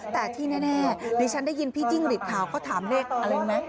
แต่ที่แน่นี่ฉันได้ยินพี่จิ้งฤทธิ์ขาวเขาถามเลขอะไรไหม